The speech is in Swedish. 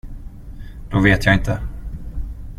Då vet jag inte.